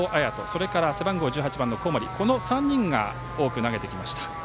それから背番号１８番の小森という３人が多く投げてきました。